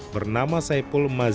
bernama saipul madinat